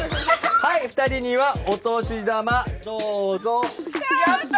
はい２人にはお年玉どうぞやった！